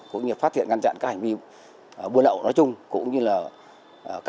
cũng như phát hiện ngăn chặn các hành vi buôn lậu nói chung cũng như là các